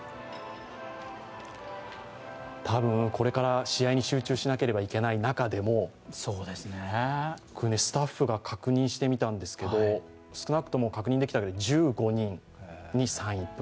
たぶん、これから試合に集中しなければいけない中でも、スタッフが確認してみたんですけれども、確認できただけで１分間で１５人にサイン。